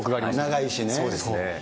長いしね。